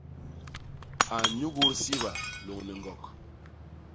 A nnyugut siba lôñni ñgok.